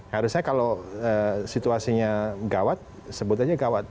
harusnya kalau situasinya gawat sebut aja gawat